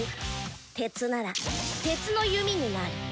鉄なら鉄の弓になる。